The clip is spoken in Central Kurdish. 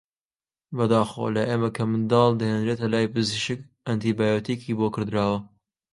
بەداخەوە لای ئێمە کە منداڵ دەهێنرێتە لای پزیشک ئەنتی بایۆتیکی بۆ کڕدراوە